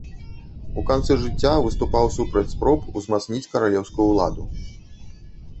У канцы жыцця выступаў супраць спроб узмацніць каралеўскую ўладу.